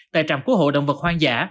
tại trạm cứu hộ động vật hoang dã